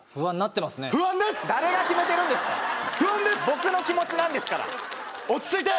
僕の気持ちなんですから落ち着いて！